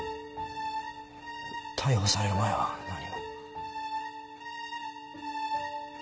逮捕される前は何も。